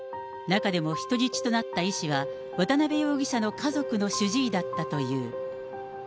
中でも人質となった医師は、渡辺容疑者の家族の主治医だったという。